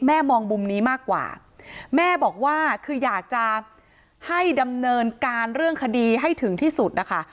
มองมุมนี้มากกว่าแม่บอกว่าคืออยากจะให้ดำเนินการเรื่องคดีให้ถึงที่สุดนะคะ